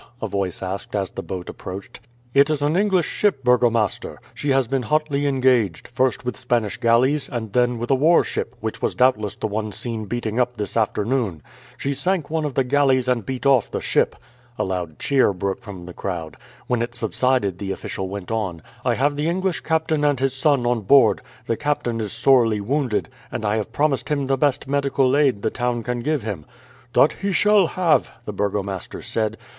a voice asked as the boat approached. "It is an English ship, burgomaster. She has been hotly engaged; first with Spanish galleys, and then with a warship, which was doubtless the one seen beating up this afternoon. She sank one of the galleys and beat off the ship." A loud cheer broke from the crowd. When it subsided the official went on: "I have the English captain and his son on board. The captain is sorely wounded, and I have promised him the best medical aid the town can give him." "That he shall have," the burgomaster said.